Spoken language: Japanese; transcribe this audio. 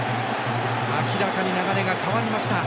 明らかに流れが変わりました。